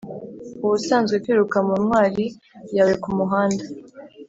ubusanzwe kwiruka mu ntwari yawe kumuhanda.